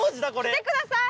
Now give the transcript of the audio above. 来てください！